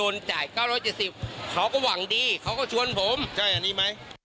นี่แบบไหม